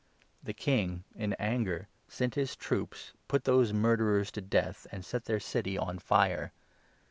The king, in anger, sent 7 his troops, put those murderers to death, and set their city on fire.